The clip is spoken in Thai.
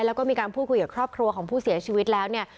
แล้วก็มีการพูดคุยกับครอบครัวของผู้เสียชีวิตแล้วเนี่ย